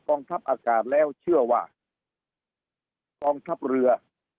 ทัพอากาศแล้วเชื่อว่ากองทัพเรือ